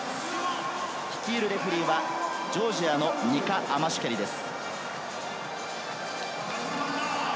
率いるレフェリーはジョージアのニカ・アマシュケリです。